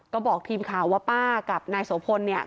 ก็บอกทีมข่าวว่าป้ากับนายโสพลเนี่ย